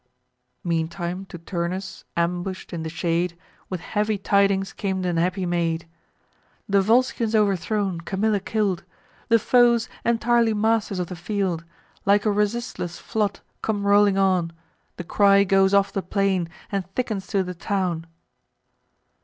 Meantime to Turnus, ambush'd in the shade, With heavy tidings came th' unhappy maid: "The Volscians overthrown, Camilla kill'd; The foes, entirely masters of the field, Like a resistless flood, come rolling on: The cry goes off the plain, and thickens to the town."